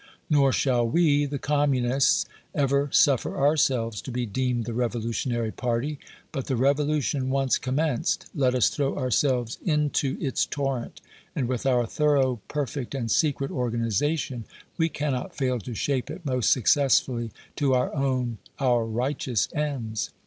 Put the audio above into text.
Nor shall we, the Communists, ever suffer ourselves to be deemed the revolutionary party; but the revolution once commenced, let us throw ourselves into its torrent, and with our thorough, perfect and secret organization, we cannot fail to shape it most successfully to our own, our righteous ends.